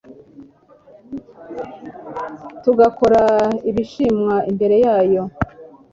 tugakora ibishimwa imbere yayo.'`"